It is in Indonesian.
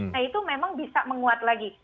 nah itu memang bisa menguat lagi